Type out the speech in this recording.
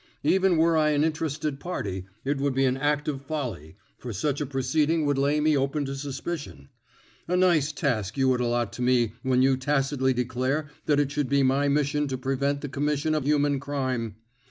Even were I an interested party, it would be an act of folly, for such a proceeding would lay me open to suspicion. A nice task you would allot to me when you tacitly declare that it should be my mission to prevent the commission of human crime!